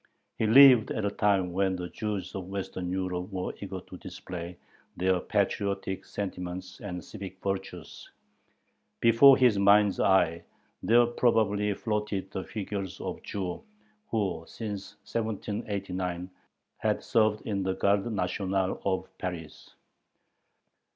He lived at a time when the Jews of Western Europe were eager to display their patriotic sentiments and civic virtues. Before his mind's eye there probably floated the figures of Jews who, since 1789, had served in the garde nationale of Paris.